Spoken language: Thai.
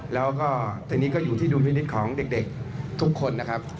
แล้วก็ทีนี้ก็อยู่ที่ดูดมินิตของเด็กทุกคน